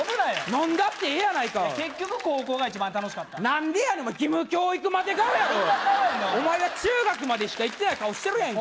飲んだってええやないか結局高校が一番楽しかった何でやねん義務教育まで顔やろどんな顔やねんお前は中学までしか行ってない顔してるやんけ